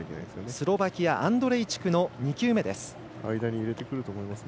スロバキアのアンドレイチクの２球目です。